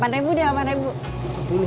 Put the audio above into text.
delapan ribu deh delapan ribu